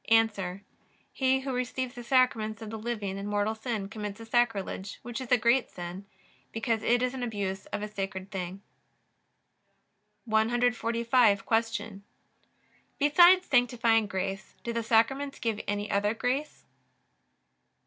A. He who receives the Sacraments of the living in mortal sin commits a sacrilege, which is a great sin, because it is an abuse of a sacred thing. 145. Q. Besides sanctifying grace do the Sacraments give any other grace?